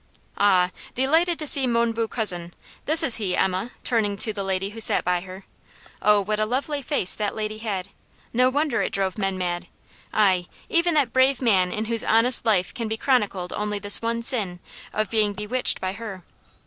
"Ah! delighted to see mon beau cousin. This is he, Emma," turning to the lady who sat by her oh, what a lovely face that lady had! no wonder it drove men mad; ay, even that brave man in whose honest life can be chronicled only this one sin, of being bewitched by her.